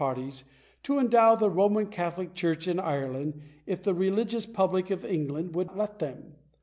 809 ties to endow the Eoman Catholic Church in Ireland if the religious public of England would let them